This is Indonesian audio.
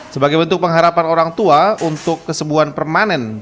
sebagai bentuk pengharapan orang tua untuk kesebuan permanen